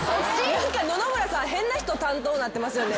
何か野々村さん変な人担当になってますよね。